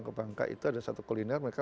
ke bangka itu ada satu kuliner mereka